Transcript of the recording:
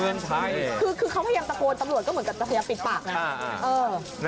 คือเขาพยายามตะโกนตำรวจก็เหมือนกับจะพยายามปิดปากนะ